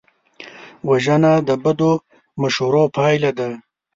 وژنه د بدو مشورو پایله ده